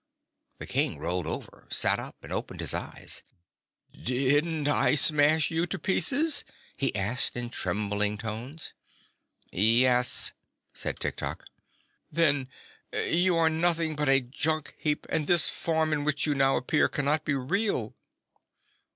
The King rolled over, sat up and opened his eyes. "Didn't I smash you to pieces?" he asked in trembling tones. "Yes," said Tiktok. "Then you are nothing but a junk heap, and this form in which you now appear cannot be real."